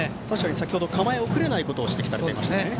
先程、構え遅れないことを指摘されていましたね。